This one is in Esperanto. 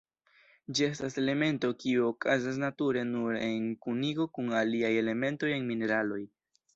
Ĝi estas elemento kiu okazas nature nur en kunigo kun aliaj elementoj en mineraloj.